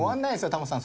タモさん